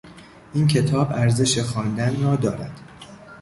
این کتاب ارزش خواندن را دارد.